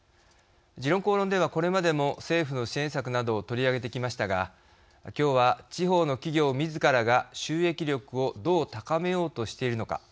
「時論公論」ではこれまでも政府の支援策などを取り上げてきましたが、今日は地方の企業みずからが収益力をどう高めようとしているのか。